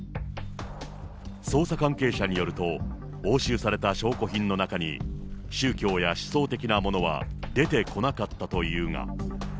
捜査関係者によると、押収された証拠品の中に、宗教や思想的なものは出てこなかったというが。